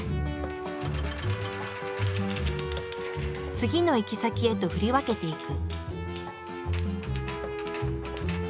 次の行き先へと振り分けていく。